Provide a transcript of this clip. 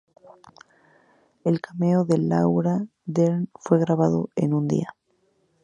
El cameo de Laura Dern fue grabado en un día.